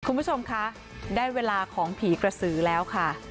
คุณผู้ชมคะได้เวลาของผีกระสือแล้วค่ะ